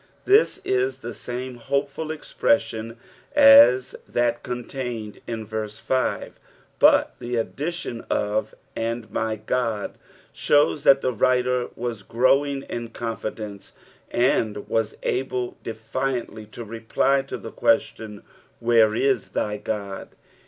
This is the aamo hopeful expression aa that contained in verse fire, but the addition of " aaU my God '' shovs that the writer wks growing in confidence, and was abla defiautl; to replj to the question, " Where ts thy God